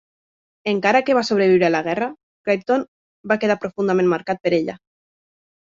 Encara que va sobreviure a la guerra, Krypton va quedar profundament marcat per ella.